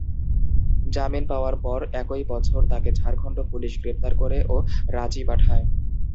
জামিন পাওয়ার পর একই বছর তাকে ঝাড়খণ্ড পুলিশ গ্রেপ্তার করে ও রাঁচি পাঠায়।